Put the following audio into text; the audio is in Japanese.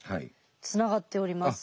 つながっております。